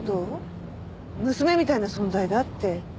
娘みたいな存在だって。